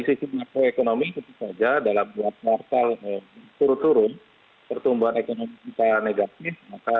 saya kira inspektor itu mau